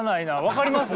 分かります？